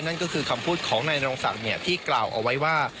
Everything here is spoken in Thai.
นั่นก็คือคำพูดของนายนรงศักดิ์ที่กล่าวเอาไว้ว่า